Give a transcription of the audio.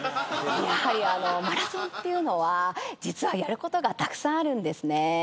やはりマラソンっていうのは実はやることがたくさんあるんですね。